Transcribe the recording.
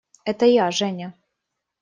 Это я – Женя!